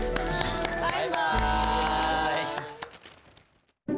バイバイ。